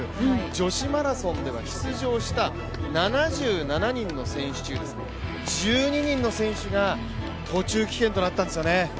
女子マラソンでは出場した７７人の選手中１２人の選手が、途中棄権となったんですよね。